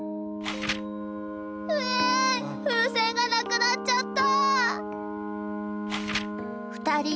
「ウエン風船がなくなっちゃった」。